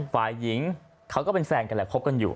ฝ่ายหญิงเขาก็เป็นแฟนกันแหละคบกันอยู่